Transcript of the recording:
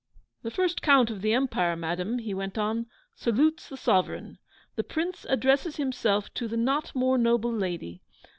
'The first Count of the Empire, madam,' he went on, 'salutes the Sovereign. The Prince addresses himself to the not more noble lady!